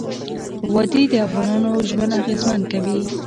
وادي د افغانانو ژوند اغېزمن کوي.